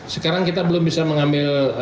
sekarang kita belum bisa mengambil